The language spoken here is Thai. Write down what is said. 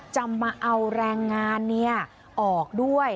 จะมาเอาแรงงานออกด้วย